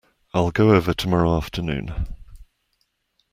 I'll go over tomorrow afternoon.